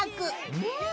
うん